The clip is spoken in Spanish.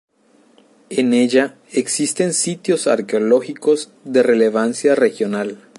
En ella existen sitios arqueológicos de relevancia regional.